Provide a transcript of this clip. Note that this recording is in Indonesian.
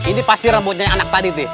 ini pasti rambutnya yang anak tadi tuh